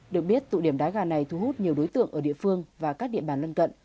được biết tụ điểm đá gà này thu hút nhiều đối tượng ở địa phương và các địa bàn lân cận